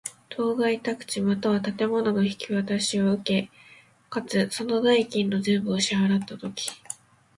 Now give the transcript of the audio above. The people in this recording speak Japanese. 当該宅地又は建物の引渡しを受け、かつ、その代金の全部を支払つたとき。